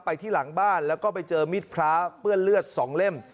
ที่หลังบ้านแล้วก็ไปเจอมิดพระเปื้อนเลือด๒เล่ม